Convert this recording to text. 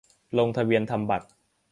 - ลงทะเบียนทำบัตร